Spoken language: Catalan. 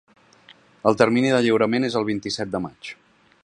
El termini de lliurament és el vint-i-set de maig.